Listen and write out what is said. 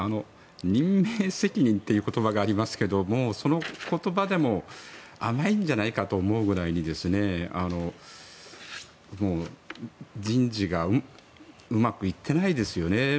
任命責任という言葉がありますがその言葉でも甘いんじゃないかと思うぐらいに人事がうまくいっていないですよね。